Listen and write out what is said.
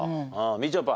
みちょぱ。